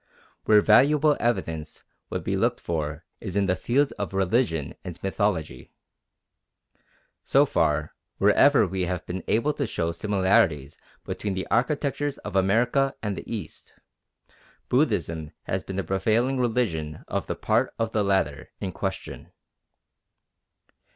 Where valuable evidence would be looked for is in the fields of religion and mythology. So far, wherever we have been able to show similarities between the architectures of America and the East, Buddhism has been the prevailing religion of the part of the latter in question.